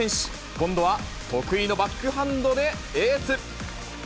今度は得意のバックハンドでエース。